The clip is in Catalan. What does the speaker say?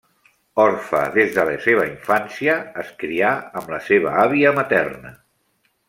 Orfe des de la seva infància, es crià amb la seva àvia materna.